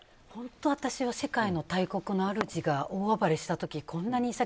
本当、私は世界の大国の主が大暴れした時こんなに。